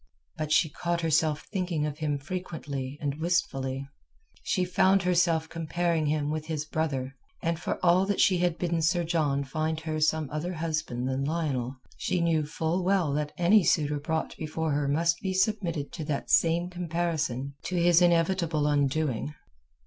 But she caught herself thinking of him frequently and wistfully; she found herself comparing him with his brother; and for all that she had bidden Sir John find her some other husband than Lionel, she knew full well that any suitor brought before her must be submitted to that same comparison to his inevitable undoing.